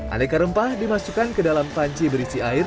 aneka rempah dimasukkan ke dalam panci berisi air